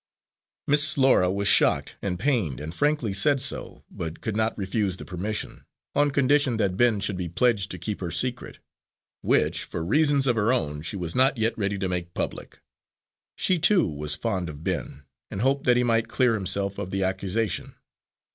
Miss Laura was shocked and pained, and frankly said so, but could not refuse the permission, on condition that Ben should be pledged to keep her secret, which, for reasons of her own, she was not yet ready to make public. She, too, was fond of Ben, and hoped that he might clear himself of the accusation.